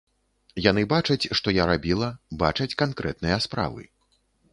Яны бачаць, што я рабіла, бачаць канкрэтныя справы.